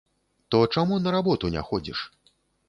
То чаму на работу не ходзіш?